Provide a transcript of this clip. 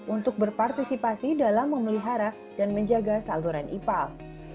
untuk berpartisipasi dalam memelihara dan menjaga saluran ipal